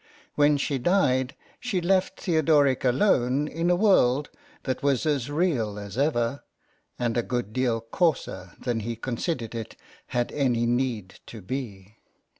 When she died she left Theodoric alone in a world that was as real as ever, and a good deal coarser than he considered it had any need to be.